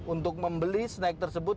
untuk membeli snack tersebut